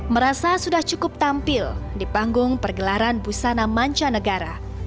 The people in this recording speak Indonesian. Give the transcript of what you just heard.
merasa sudah cukup tampil di panggung pergelaran busana mancanegara